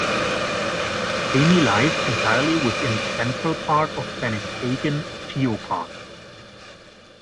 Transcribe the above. Kami lies entirely within the central part of San'in Kaigan Geopark.